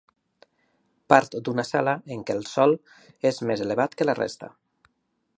Part d'una sala en què el sòl és més elevat que la resta.